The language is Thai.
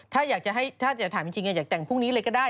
ถ้าอยากจะถามจริงอยากจะแต่งพรุ่งนี้เลยก็ได้